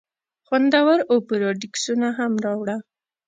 خوندور اوپيراډیسکونه هم راوړه.